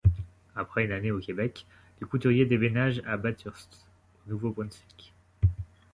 Après une année au Québec, les Couturier déménagent à Bathurst au Nouveau-Brunswick.